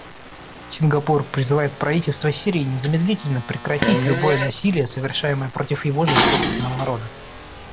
Сингапур призывает правительство Сирии незамедлительно прекратить любое насилие, совершаемое против его же собственного народа.